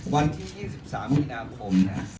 วันที่๒๓มีนาคมนะ